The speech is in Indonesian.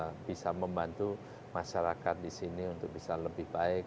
kita bisa membantu masyarakat disini untuk bisa lebih baik